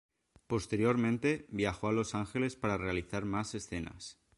Posteriormente, viajó a Los Ángeles para realizar más escenas.